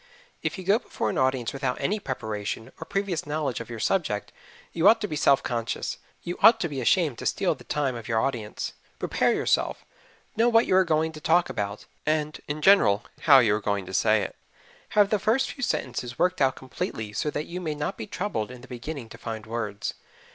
If you go before an audience without any preparation, or previous knowledge of your subject, you ought to be self conscious you ought to be ashamed to steal the time of your audience. Prepare yourself. Know what you are going to talk about, and, in general, how you are going to say it. Have the first few sentences worked out completely so that you may not be troubled in the beginning to find words.